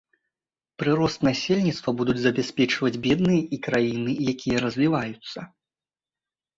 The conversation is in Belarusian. Прырост насельніцтва будуць забяспечваць бедныя і краіны, якія развіваюцца.